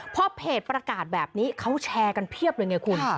พอเพจประกาศแบบนี้เขาแชร์กันเพียบเลยไงคุณ